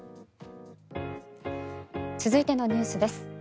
続いてのニュースです。